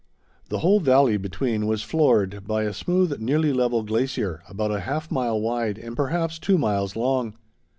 The whole valley between was floored by a smooth, nearly level glacier, about a half mile wide and perhaps two miles long.